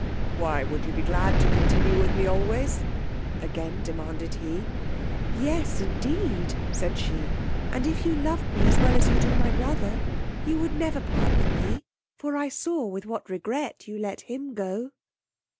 Why would you be glad to continue with me always? again demanded he. Yes indeed, said she; and if you loved me as well as you do my brother, you would never part with me; for I saw with what regret you let him go.